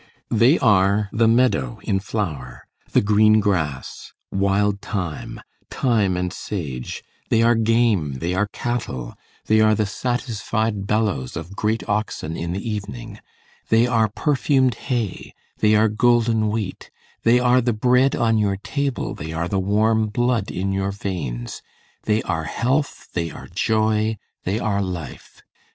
They are the meadow in flower, the green grass, wild thyme, thyme and sage, they are game, they are cattle, they are the satisfied bellows of great oxen in the evening, they are perfumed hay, they are golden wheat, they are the bread on your table, they are the warm blood in your veins, they are health, they are joy, they are life.